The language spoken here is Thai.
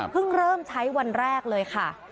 พึ่งเริ่มใช้วันแรกเลยครับ